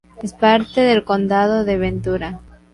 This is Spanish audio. Es parte del Condado de Ventura.